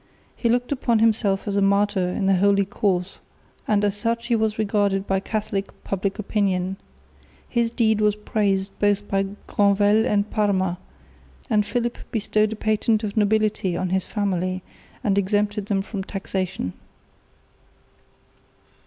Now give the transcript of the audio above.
He looked upon himself as a martyr in a holy cause, and as such he was regarded by Catholic public opinion. His deed was praised both by Granvelle and Parma, and Philip bestowed a patent of nobility on his family, and exempted them from taxation.